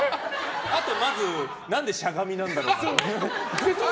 あと、何でしゃがみなんだろうって。